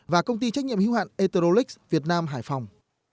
và công ty trách nhiệm hữu hạn etalyc việt nam hải phòng